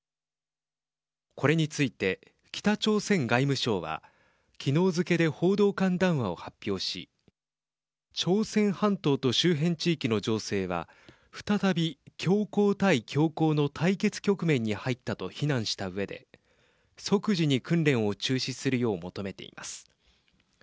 これについて北朝鮮外務省は昨日付けで報道官談話を発表し朝鮮半島と周辺地域の情勢は再び強硬対強硬の対決局面に入ったと非難したうえで即時に訓練を中止するよう求めています。